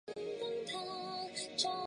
南北朝时为营州地。